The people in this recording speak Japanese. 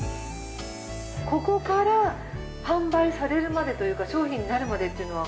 ここから、販売されるまでというか商品になるまでというのは？